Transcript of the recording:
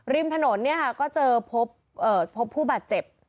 ริมถนนก็เจอพบผู้บาดเจ็บ